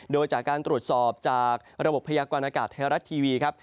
โดยจากการตรวจสอบจากระบบพยากรณากาศไทยรัฐทีวีครับ